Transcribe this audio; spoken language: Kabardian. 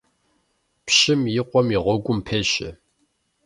Пщым и къуэм и гъуэгум пещэ.